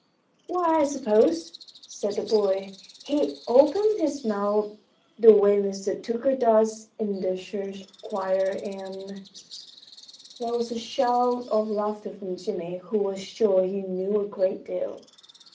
] "Why, I suppose," said the boy, "he opens his mouth the way Mr. Tucker does in the church choir, and " There was a shout of laughter from Jimmie, who was sure he knew a great deal.